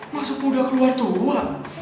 masuk udah keluar tua